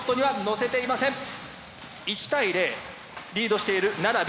１対０リードしている奈良Ｂ。